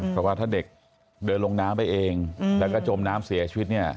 เพราะว่าถ้าเด็กเดินลงน้ำไปเองแล้วก็จมน้ำเสียชีวิตเนี่ย